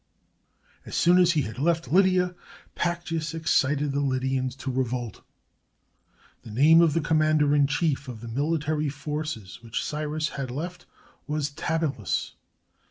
As soon as he had left Lydia, Pactyas excited the Lydians to revolt. The name of the commander in chief of the military forces which Cyrus had left was Tabalus.